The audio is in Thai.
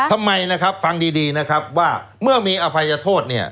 ทำไมนะครับฟังดีดีนะครับว่าเมื่อมีอภัยโทษเนี่ย